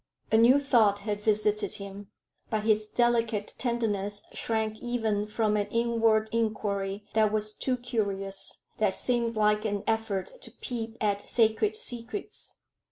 A new thought had visited him. But his delicate tenderness shrank even from an inward enquiry that was too curious that seemed like an effort to peep at sacred secrets.